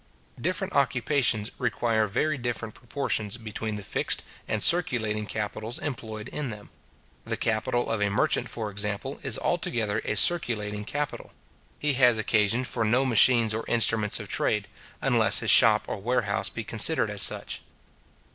Different occupations require very different proportions between the fixed and circulating capitals employed in them. The capital of a merchant, for example, is altogether a circulating capital. He has occasion for no machines or instruments of trade, unless his shop or warehouse be considered as such.